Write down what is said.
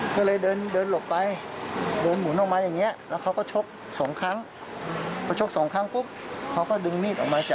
ก็เลยเดินหลบไป